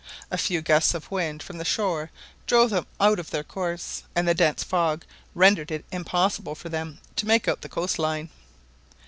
A few gusts of wind from the shore drove them out of their course, and the dense fog rendered it impossible for them to make out the coast line.